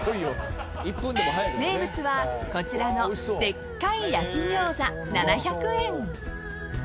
名物はこちらのでっかい焼き餃子７００円。